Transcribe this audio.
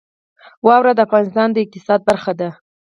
واوره د افغانستان د اقتصاد برخه ده.